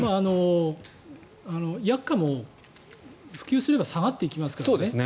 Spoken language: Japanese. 薬価も普及すれば下がっていきますからね。